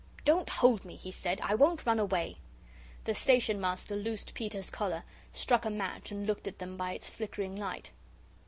"Don't hold me!" he said. "I won't run away." The Station Master loosed Peter's collar, struck a match and looked at them by its flickering light.